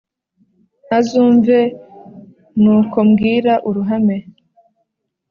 Azumve n’uko mbwira uruhame